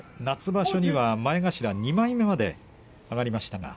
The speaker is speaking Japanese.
夏場所には前頭２枚目まで上がりました。